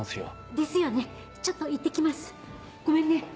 ですよねちょっと行ってきますごめんね。